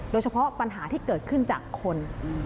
โดยเฉพาะปัญหาที่เกิดขึ้นจากคน